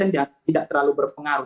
dan tidak terlalu berpengaruh